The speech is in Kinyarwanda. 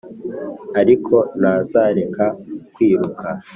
ariko ntazareka kwiruka.